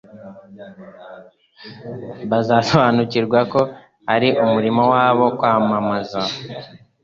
Bazasobanukirwa ko ari umurimo wabo kwamamaza,